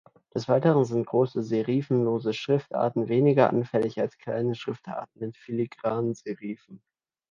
Des Weiteren sind große, serifenlose Schriftarten weniger anfällig als kleine Schriftarten mit filigranen Serifen.